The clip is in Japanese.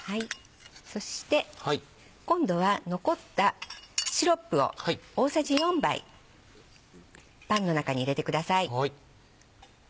そして今度は残ったシロップを大さじ４杯パンの中に入れてください。